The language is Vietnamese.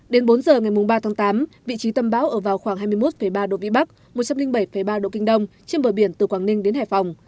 đến bốn h ngày ba tháng tám vị trí tâm bão ở vào khoảng hai mươi một ba độ vĩ bắc một trăm linh bảy ba độ kinh đông trên bờ biển từ quảng ninh đến hải phòng